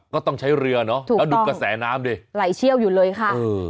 ก็ต้องใช้เรือเนอะถูกแล้วดูกระแสน้ำดิไหลเชี่ยวอยู่เลยค่ะเออ